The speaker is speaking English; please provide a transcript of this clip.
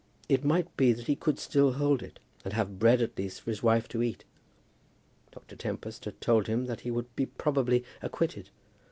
It might be that he could still hold it, and have bread at least for his wife to eat. Dr. Tempest had told him that he would be probably acquitted.